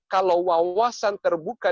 kalau wawasan terbuka